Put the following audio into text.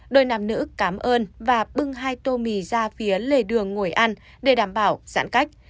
đôi nam nữ cảm ơn và bưng hai tô mì ra phía lề đường ngồi ăn để đảm bảo giãn cách